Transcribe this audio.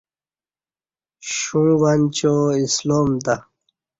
شوں وا نچا اسلام تہ